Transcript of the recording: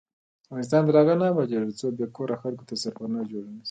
افغانستان تر هغو نه ابادیږي، ترڅو بې کوره خلکو ته سرپناه جوړه نشي.